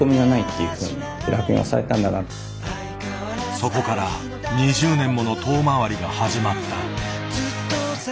そこから２０年もの遠回りが始まった。